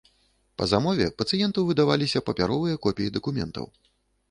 Па замове пацыенту выдаваліся папяровыя копіі дакументаў.